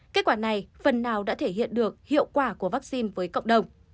kết quả này phần nào đã thể hiện được hiệu quả của vaccine với cộng đồng